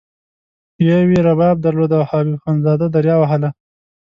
یوه یې رباب درلود او حبیب اخندزاده دریا وهله.